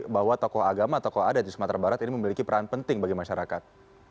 bahwa tokoh agama tokoh adat di sumatera barat ini memiliki peran penting bagi masyarakat